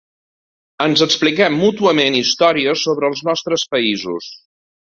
Ens expliquem mútuament històries sobre els nostres països.